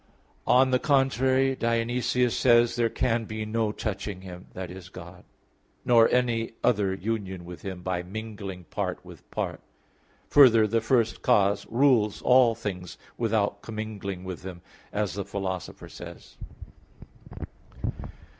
On the contrary, Dionysius says (Div. Nom. ii): "There can be no touching Him," i.e. God, "nor any other union with Him by mingling part with part." Further, the first cause rules all things without commingling with them, as the Philosopher says (De Causis).